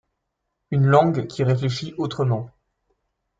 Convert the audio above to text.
Une langue qui réfléchit autrement.